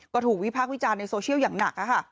ก็ถูกวิพากษ์วิจารณ์ในโซเชียลอย่างหนัก